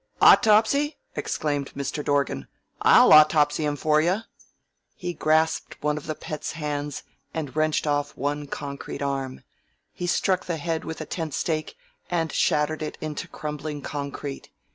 "Autopsy!" exclaimed Mr. Dorgan. "I'll autopsy him for you!" He grasped one of the Pet's hands and wrenched off one concrete arm. He struck the head with a tent stake and shattered it into crumbling concrete.